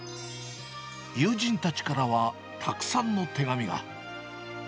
友人たちからは、たくさんの手紙が。